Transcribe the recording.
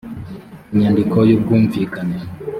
inyandiko y ubwumvikane